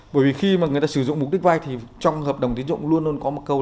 bởi vì khi mà người ta sử dụng mục đích vay thì trong hợp đồng tiến dụng luôn luôn có một câu